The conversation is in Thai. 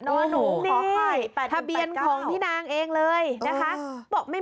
โอ้โหนี่ทะเบียนของพี่นางเองเลยนะคะพอให้๘๑๘๙